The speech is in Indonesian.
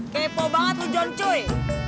kepo banget tujuan cuy